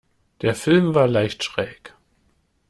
Der Film war leicht schräg.